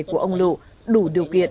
của ông lự đủ điều kiện